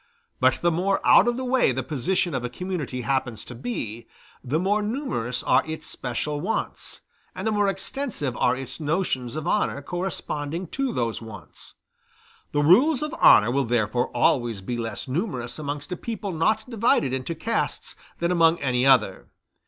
But the more out of the way the position of a community happens to be, the more numerous are its special wants, and the more extensive are its notions of honor corresponding to those wants. The rules of honor will therefore always be less numerous amongst a people not divided into castes than amongst any other.